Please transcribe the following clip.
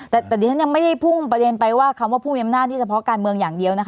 แต่ดิฉันยังไม่ได้พุ่งประเด็นไปว่าคำว่าผู้มีอำนาจที่เฉพาะการเมืองอย่างเดียวนะคะ